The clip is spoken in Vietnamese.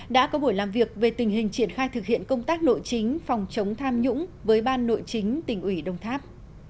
đã có buổi làm việc về tình hình triển khai thực hiện công tác nội chính phòng chống tham nhũng với ban nội chính tỉnh ủy đồng tháp